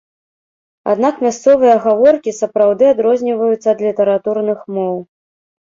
Аднак мясцовыя гаворкі сапраўды адрозніваюцца ад літаратурных моў.